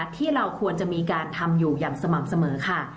ที่เราควรจะมีการทำอยู่อย่างสม่ำเสมอค่ะ